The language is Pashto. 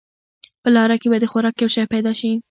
په لاره کې به د خوراک یو شی پیدا شي.